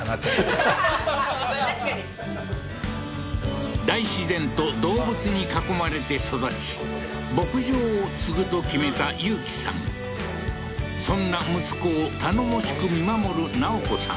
まあ確かに大自然と動物に囲まれて育ち牧場を継ぐと決めた雄喜さんそんな息子を頼もしく見守る奈緒子さん